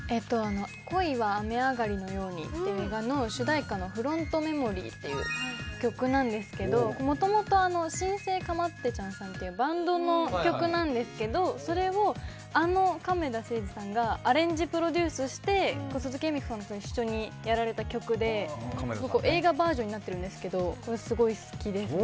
『恋は雨上がりのように』って映画の主題歌の『フロントメモリー』っていう曲なんですけどもともと神聖かまってちゃんさんっていうバンドの曲なんですけどそれをあの亀田誠治さんがアレンジプロデュースして鈴木瑛美子さんと一緒にやられた曲で映画バージョンになってるんですけどすごい好きです。